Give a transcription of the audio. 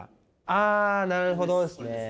あなるほどですね。